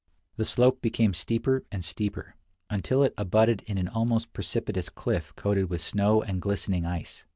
The slope became steeper and steeper, until it abutted in an almost precipitous cliff coated with snow and glistening ice.